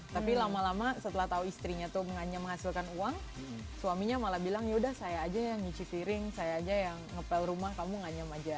tapi lama lama setelah tahu istrinya tuh hanya menghasilkan uang suaminya malah bilang yaudah saya aja yang nyuci piring saya aja yang ngepel rumah kamu nganyam aja